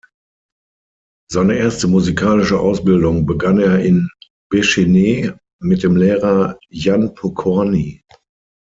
Seine erste musikalische Ausbildung begann er in Bechyně mit dem Lehrer Jan Pokorny.